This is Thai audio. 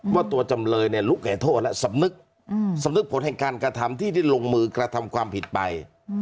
ว่าตัวจำเลยลุกแก่โทษและสำนึกสำนึกผลแห่งการกระทำที่ได้ลงมือกระทำความผิดไป